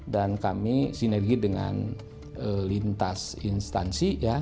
dan kami sinergi dengan lintas instansi ya